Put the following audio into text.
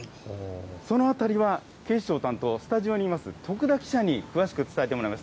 そのあたりは警視庁担当、スタジオにいます徳田記者に詳しく伝えてもらいます。